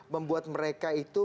membuat mereka itu